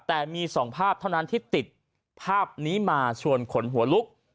แต่มี๒ภาพเท่านั้นที่ติดภาพนี้มาชวนขนหัวลุก